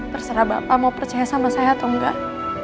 terserah bapak mau percaya sama saya atau enggak